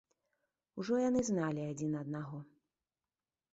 Ужо яны зналі адзін аднаго.